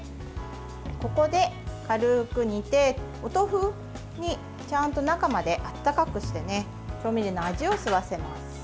ここで軽く煮てお豆腐にちゃんと中まであったかくして調味料の味を吸わせます。